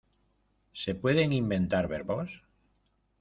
¿Se pueden inventar verbos?